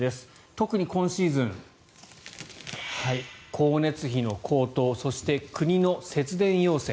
特に今シーズン光熱費の高騰そして国の節電要請